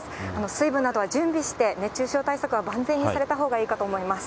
水分などは準備して、熱中症対策は万全にされたほうがいいかとおもいます。